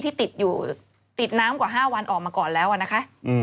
ที่ติดอยู่ติดน้ำกว่า๕วันออกมาก่อนแล้วนะคะ